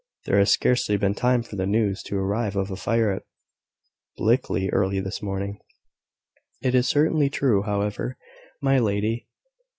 There has scarcely been time for the news to arrive of a fire at Blickley early this morning." "It is certainly true, however, my lady.